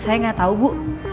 saya gak tau bu